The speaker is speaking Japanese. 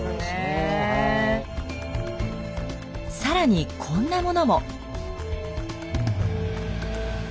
更にこんなものも。